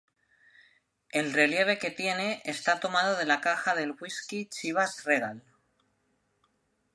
El relieve que tiene está tomado de la caja del whisky Chivas Regal.